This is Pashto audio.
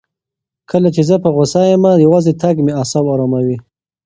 کله چې زه په غوسه یم، یوازې تګ مې اعصاب اراموي.